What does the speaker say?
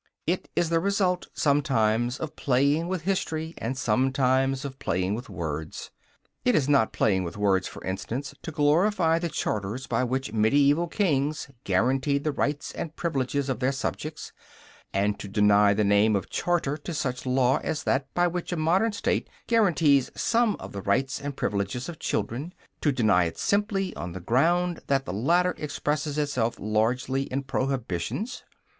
It is the result, sometimes, of playing with history and, sometimes, of playing with words. Is it not playing with words, for instance, to glorify the charters by which medieval kings guaranteed the rights and privileges of their subjects, and to deny the name of charter to such a law as that by which a modern State guarantees some of the rights and privileges of children to deny it simply on the ground that the latter expresses itself largely in prohibitions?